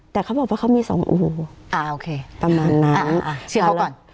แต่เขาบอกว่าเขามีสองอู่ประมาณนั้นนะชื่อเขาก่อน